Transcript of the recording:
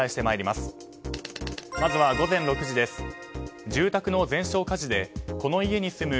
まずは午前６時です。